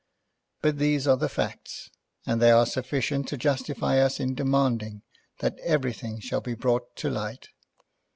But these are the facts, and they are sufficient to justify us in demanding that everything shall be brought to light."